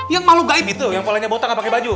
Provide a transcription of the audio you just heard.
yang malu guin itu yang polanya botol nggak pakai baju